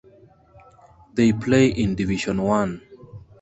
They play in Division One.